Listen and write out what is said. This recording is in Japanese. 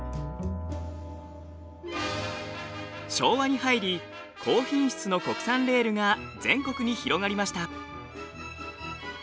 昭和に入り高品質の国産レールが全国に広がりました。